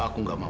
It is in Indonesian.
aku gak mau